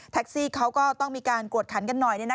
แท็กซี่เขาก็ต้องมีการกวดขันกันหน่อย